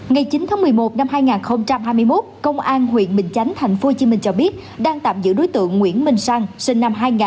ngày chín tháng một mươi một năm hai nghìn hai mươi một công an huyện bình chánh tp hcm cho biết đang tạm giữ đối tượng nguyễn minh sang sinh năm hai nghìn hai